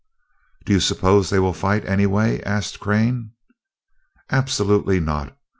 "Do you suppose they will fight, anyway?" asked Crane. "Absolutely not.